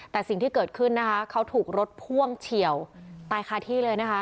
แต่สิ่งที่เกิดขึ้นนะคะเขาถูกรถพ่วงเฉียวตายคาที่เลยนะคะ